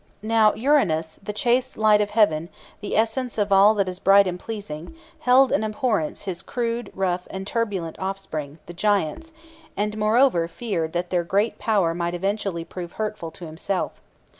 Now Uranus, the chaste light of heaven, the essence of all that is bright and pleasing, held in abhorrence his crude, rough, and turbulent offspring, the Giants, and moreover feared that their great power might eventually prove hurtful to himself.